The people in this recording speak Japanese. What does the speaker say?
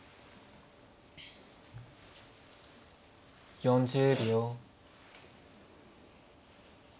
４０秒。